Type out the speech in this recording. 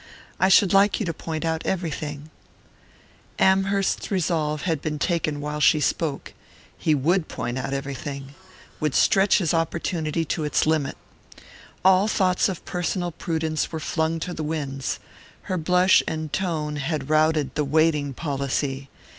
I should like you to point out everything " Amherst's resolve had been taken while she spoke. He would point out everything, would stretch his opportunity to its limit. All thoughts of personal prudence were flung to the winds her blush and tone had routed the waiting policy.